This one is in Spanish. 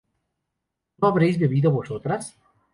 ¿no habréis bebido vosotras?